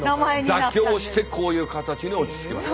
妥協してこういう形に落ち着きました。